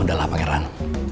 udah lah pak iran